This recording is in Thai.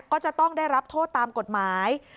ก็จะต้องได้รับโทษตามกฎหมาย